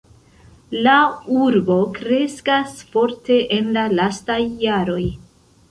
La urbo kreskas forte en la lastaj jaroj.